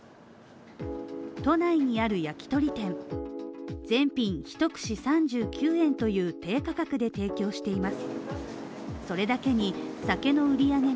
都内にある焼き鳥店舗全品一串３９円という低価格で提供しています。